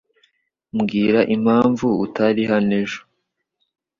Mbwira impamvu utari hano ejo.